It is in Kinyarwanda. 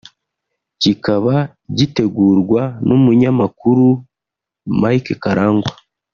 kikaba gitegurwa n’umunyamakuru Mike Karangwa